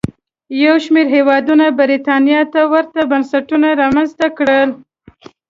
یو شمېر هېوادونو برېټانیا ته ورته بنسټونه رامنځته کړل.